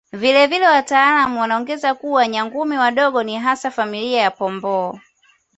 Vile vile wataalamu wanaongeza kuwa Nyangumi wadogo ni hasa familia ya Pomboo